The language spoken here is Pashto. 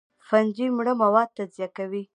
فنجي مړه مواد تجزیه کوي